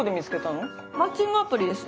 マッチングアプリです。